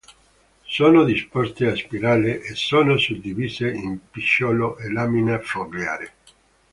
Sono disposte a spirale e sono suddivise in picciolo e lamina fogliare.